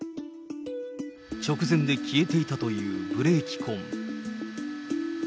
直前で消えていたというブレーキ痕。